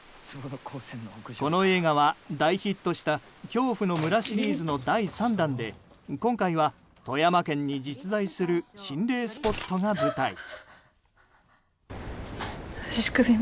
この映画は大ヒットした「恐怖の村」シリーズの第３弾で今回は富山県に実在する心霊スポットが舞台。